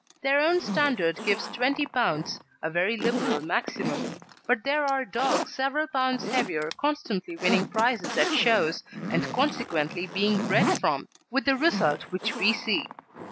Their own standard gives 20 lb. a very liberal maximum; but there are dogs several pounds heavier constantly winning prizes at shows, and consequently being bred from, with the result which we see.